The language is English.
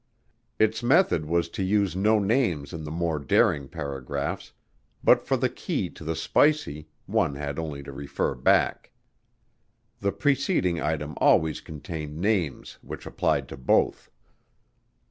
Its method was to use no names in the more daring paragraphs, but for the key to the spicy, one had only to refer back. The preceding item always contained names which applied to both.